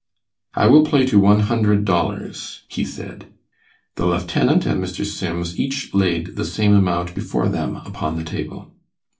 "I will play to one hundred dollars," he said. The lieutenant and Mr. Sims each laid the same amount before them upon the table.